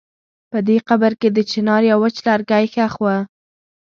په دې قبر کې د چنار يو وچ لرګی ښخ و.